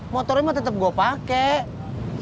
motornya mah tetap gua pakai